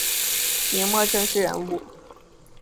明末政治人物。